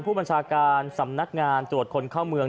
ผู้บัญชาการสำนักงานตรวจคนเข้าเมือง